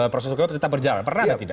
proses itu tetap berjalan pernah atau tidak